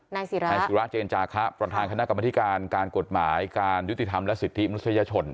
นายศิราเจนจาคะประธานคณะกรรมธิการการกฎหมายการยุติธรรมและสิทธิมนุษยชน